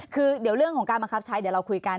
คือเดี๋ยวเรื่องของการบังคับใช้เดี๋ยวเราคุยกัน